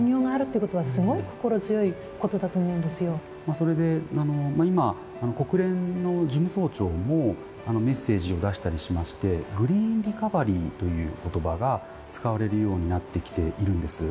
それで今国連の事務総長もメッセージを出したりしましてグリーンリカバリーという言葉が使われるようになってきているんです。